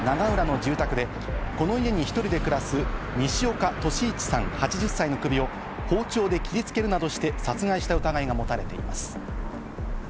相馬容疑者は２１日夜、知多市長浦の住宅で、この家に１人で暮らす西岡歳一さん、８０歳の首を包丁で切りつけるなどして殺害した疑いが持たれています。